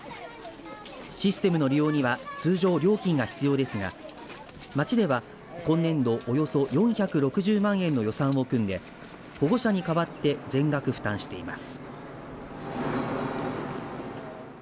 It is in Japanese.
システムの利用には通常料金が必要ですが町では今年度およそ４６０万円の予算を組んで保護者に代わって全額負担しています。